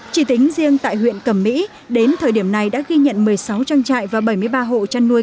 chỉ tính riêng tại huyện cẩm mỹ đến thời điểm này đã ghi nhận một mươi sáu trang trại và bảy mươi ba hộ chăn nuôi